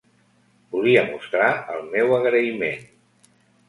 Volia mostrar el meu agraïment.